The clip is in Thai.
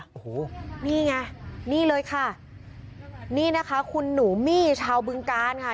โอ้โหนี่ไงนี่เลยค่ะนี่นะคะคุณหนูมี่ชาวบึงการค่ะ